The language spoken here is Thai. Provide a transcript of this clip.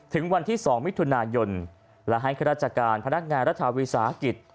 ถึงวันที่๒มิถุนายนและให้ข้าราชการพนักงานรัฐวิสาหกิจ